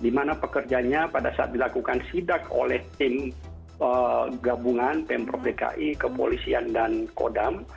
di mana pekerjanya pada saat dilakukan sidak oleh tim gabungan pemprov dki kepolisian dan kodam